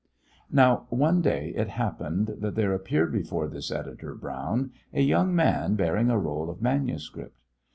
Now, one day, it happened that there appeared before this editor, Brown, a young man bearing a roll of manuscript.